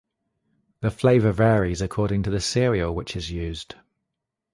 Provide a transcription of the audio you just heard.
The flavour varies according to the cereal which is used.